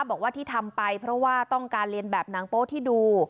บอกว่าที่ทำไปเพราะว่าต้องการเรียนแบบหนังโป๊ที่ดู